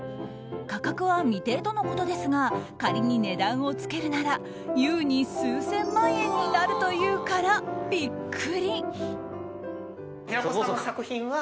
価格は未定とのことですが仮に値段をつけるならゆうに数千万円になるというからビックリ。